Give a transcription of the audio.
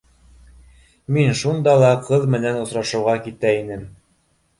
Мин шунда ла ҡыҙ менән осрашыуға китә инем